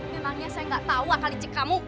memangnya saya gak tau akal icik kamu